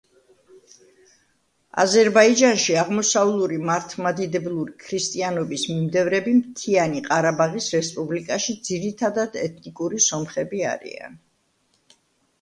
აზერბაიჯანში აღმოსავლური მართლმადიდებლური ქრისტიანობის მიმდევრები მთიანი ყარაბაღის რესპუბლიკაში ძირითადად ეთნიკური სომხები არიან.